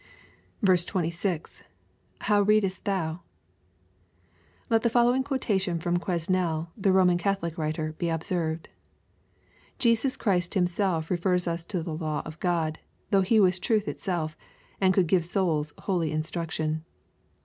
26. — [How readest Ihouf] Let the following quotation from Quea nel, the Roman Catholic writer, be observed. "Jesus Christ him self refers us to the law of God, though he was truth itself, and could give souls holy instruction.